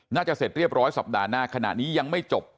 เสร็จเรียบร้อยสัปดาห์หน้าขณะนี้ยังไม่จบ